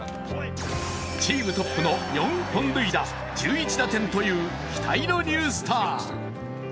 チームトップの４本塁打、１１打点という期待のニュースター。